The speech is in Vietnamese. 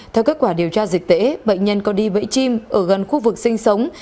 theo kết quả điều tra dịch tễ bệnh nhân có đi bẫy chim ở gần khu vực sinh sống